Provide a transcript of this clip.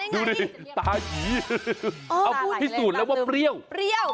พูดพิสูจน์แล้วว่าเปรี้ยว